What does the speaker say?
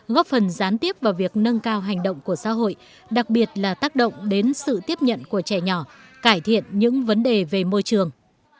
góp phần gián tiếp vào việc nâng cao hành động của xã hội đặc biệt là tác động đến sự tiếp nhận của trẻ nhỏ cải thiện những vấn đề về môi trường